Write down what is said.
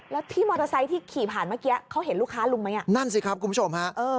แล้วที่มอเตอร์ไซต์ที่ขี่ผ่านเมื่อกี้เขาเห็นลูกค้าลุงมั้ย